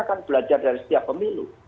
kan belajar dari setiap pemilu